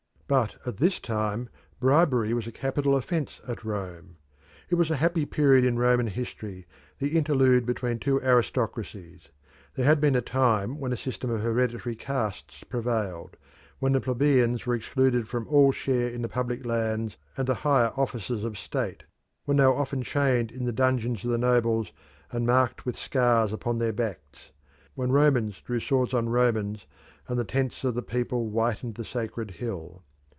But at this time bribery was a capital offence at Rome. It was a happy period in Roman history, the interlude between two aristocracies. There had been a time when a system of hereditary castes prevailed; when the plebeians were excluded from all share in the public lands and the higher offices of state; when they were often chained in the dungeons of the nobles, and marked with scars upon their backs: when Romans drew swords on Romans and the tents of the people whitened the Sacred Hill.